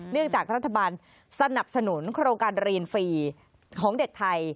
จากรัฐบาลสนับสนุนโครงการเรียนฟรีของเด็กไทย